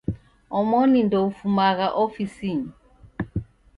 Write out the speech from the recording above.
Omoni ndoufumagha ofisinyi.